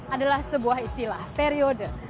adalah sebuah istilah periode